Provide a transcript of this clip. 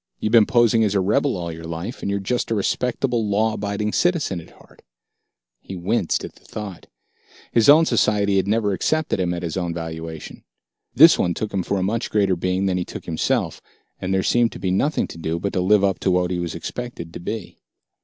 You've been posing as a rebel all your life, and you're just a respectable, law abiding citizen at heart." He winced at the thought. His own society had never accepted him at his own valuation. This one took him for a much greater being than he took himself, and there seemed to be nothing to do but to live up to what he was expected to be.